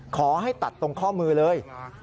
ขอให้ตัดตรงข้อมือเลย